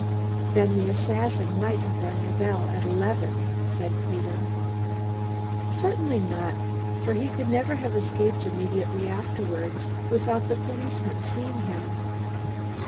"Then the assassin might have rung the bell at eleven," said Peter. "Certainly not, for he could never have escaped immediately afterwards, without the policeman seeing him."